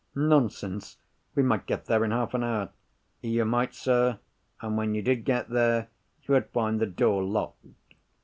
"Nonsense! We might get there in half an hour." "You might, sir. And when you did get there, you would find the door locked.